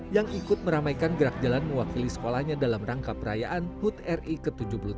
yang ikut meramaikan gerak jalan mewakili sekolahnya dalam rangka perayaan hud ri ke tujuh puluh tiga